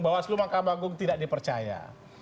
bawaslu dan makam agung tidak dipercaya